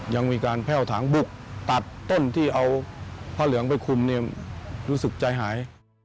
ยังมีการแพ่วถังบุกตัดต้นที่เอาผ้าเหลืองไปคุมเนี่ยรู้สึกใจหาย